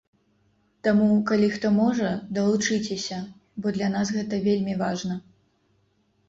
Таму, калі хто можа, далучыцеся, бо для нас гэта вельмі важна.